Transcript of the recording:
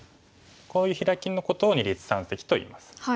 こういうヒラキのことを二立三析といいます。